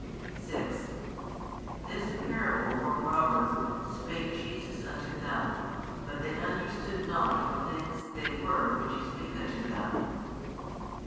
6 This parable [or proverb] spake Jesus unto them: but they understood not what things they were which He spake unto them.